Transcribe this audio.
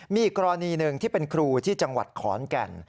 มีอีกกรณีหนึ่งที่เป็นครูที่จังหวัดขอนแก่น